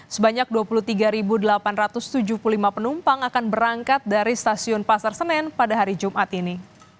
sebanyak dua puluh tiga delapan ratus tujuh puluh lima penumpang akan berangkat dari stasiun pasar senen pada hari jumat ini